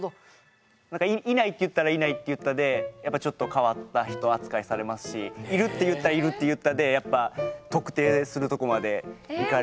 いないって言ったらいないって言ったでちょっと変わった人扱いされますしいるって言ったらいるって言ったで特定するとこまでいかれるんで。